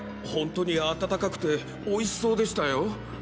ホントに温かくておいしそうでしたよ？